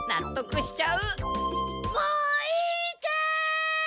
もういいかい？